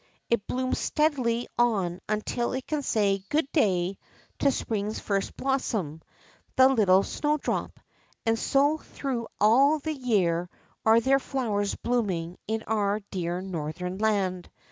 It blooms steadily on until it can say Good day" to spring's first blossom — the little snowdrop ; and so through all the year are there flowers blooming in our dear Northern land.